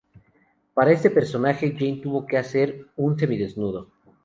Para este personaje Jane tuvo que hacer un semidesnudo.